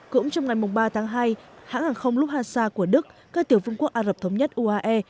cũng trong ngày ba tháng hai hãng hàng không lufthansa của đức cơ tiểu vương quốc ả rập thống nhất uae